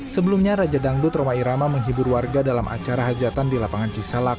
sebelumnya raja dangdut roma irama menghibur warga dalam acara hajatan di lapangan cisalak